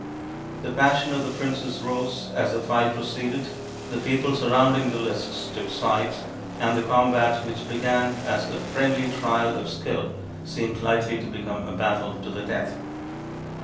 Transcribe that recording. The passion of the princes rose as the fight proceeded, the people surrounding the lists took sides, and the combat which began as a friendly trial of skill seemed likely to become a battle to the death.